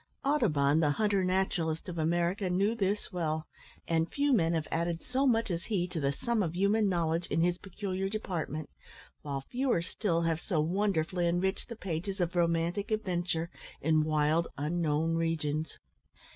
Audubon, the hunter naturalist of America, knew this well! and few men have added so much as he to the sum of human knowledge in his peculiar department, while fewer still have so wonderfully enriched the pages of romantic adventure in wild, unknown regions.